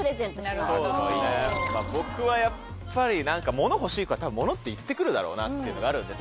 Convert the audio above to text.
僕はやっぱり何かもの欲しい子は多分ものって言ってくるだろうなっていうのがあるんで。